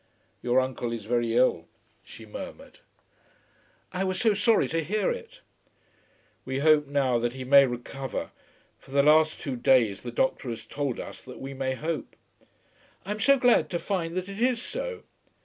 "Your uncle is very ill," she murmured. "I was so sorry to hear it." "We hope now that he may recover. For the last two days the doctor has told us that we may hope." "I am so glad to find that it is so."